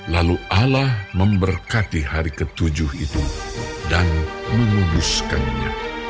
lalu allah memberkati hari ketujuh itu dan mengubuskannya